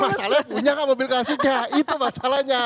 masalahnya punya kan mobil klasik ya itu masalahnya